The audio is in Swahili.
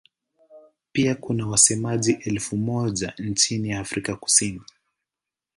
Pia kuna wasemaji elfu moja nchini Afrika Kusini.